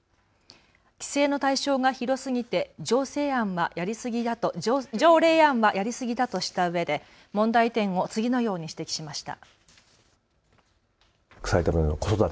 規制の対象が広すぎて条例案はやりすぎだとしたうえで問題点を次のように指摘しました。